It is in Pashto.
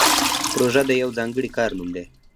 پروژه د یو ځانګړي کار نوم دی